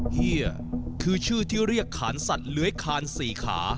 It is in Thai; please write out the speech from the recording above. เฮียคือชื่อที่เรียกขานสัตว์เลื้อยคาน๔ขา